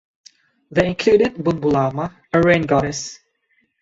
They included Bunbulama, a rain goddess.